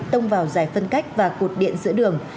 tông vào giải phân cách và cột điện giữa đường